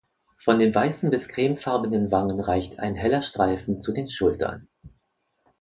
Von den weißen bis cremefarbenen Wangen reicht ein heller Streifen zu den Schultern.